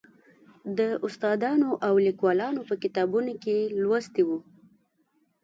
د استادانو او لیکوالو په کتابونو کې لوستی و.